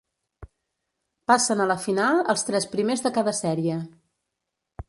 Passen a la final els tres primers de cada sèrie.